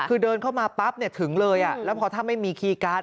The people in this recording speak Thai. คือเดินเข้ามาปั๊บถึงเลยแล้วพอถ้าไม่มีคีย์การ์ด